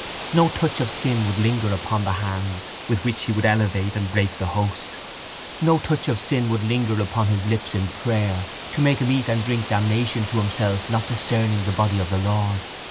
No touch of sin would linger upon the hands with which he would elevate and break the host; no touch of sin would linger on his lips in prayer to make him eat and drink damnation to himself not discerning the body of the Lord.